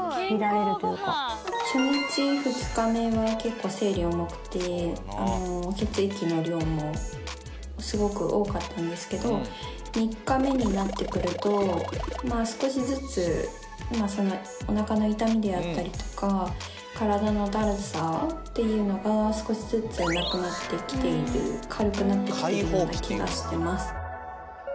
初日２日目は結構生理重くて血液の量もすごく多かったんですけど３日目になってくるとまあ少しずつおなかの痛みであったりとか体のダルさっていうのが少しずつなくなってきている軽くなってきているような気がしてます。